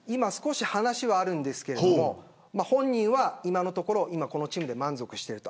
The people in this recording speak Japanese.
話はあるんですけど本人は今のところこのチームで満足していると。